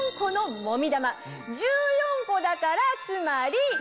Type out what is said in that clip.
１４個だからつまり。